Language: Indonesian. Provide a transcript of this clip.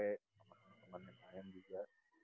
sama temen temen lain juga